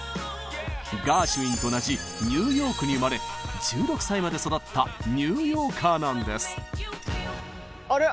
ガーシュウィンと同じニューヨークに生まれ１６歳まで育ったニューヨーカーなんです！